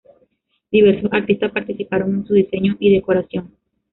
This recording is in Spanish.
Diversos artistas participaron en su diseño y decoración.